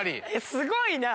すごいな！